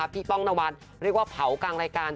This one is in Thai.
ป้องนวันเรียกว่าเผากลางรายการ